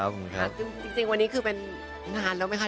ขอบคุณครับจริงจริงวันนี้คือเป็นนานแล้วไหมคะ